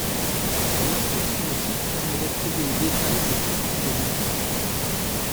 L'inscription au site permet d'accéder aux détails des profils des membres.